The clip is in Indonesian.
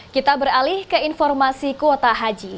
kita beralih ke informasi kuota haji